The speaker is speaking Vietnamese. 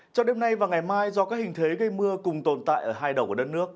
trong đêm nay và ngày mai do các hình thế gây mưa cùng tồn tại ở hai đầu của đất nước